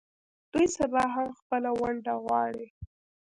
دوی سبا هم خپله ونډه غواړي.